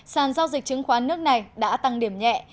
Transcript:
sàn giao dịch chứng khoán nước này đã tăng điểm nhẹ